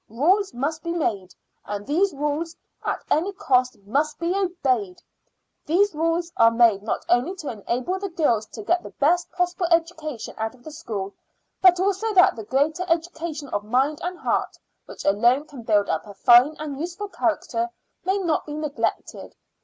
Rules must be made, and these rules at any cost must be obeyed. These rules are made not only to enable the girls to get the best possible education out of the school, but also that the greater education of mind and heart, which alone can build up a fine and useful character, may not be neglected.